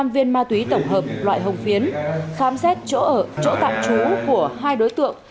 năm mươi năm viên ma túy tổng hợp loại hồng phiến khám xét chỗ tạm trú của hai đối tượng